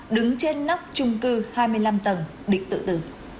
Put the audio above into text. đứng trên nóc trung cư hai mươi năm tầng định tự tử